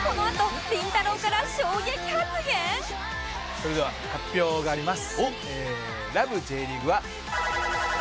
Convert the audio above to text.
それでは発表があります。